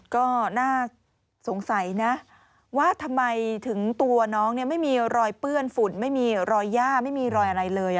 ก็น่าสงสัยนะว่าทำไมถึงตัวน้องไม่มีรอยเปื้อนฝุ่นไม่มีรอยย่าไม่มีรอยอะไรเลย